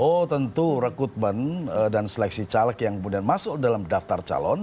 oh tentu rekrutmen dan seleksi caleg yang kemudian masuk dalam daftar calon